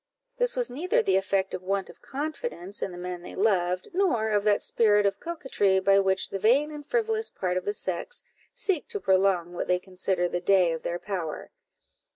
This was neither the effect of want of confidence in the men they loved, nor of that spirit of coquetry by which the vain and frivolous part of the sex seek to prolong what they consider the day of their power.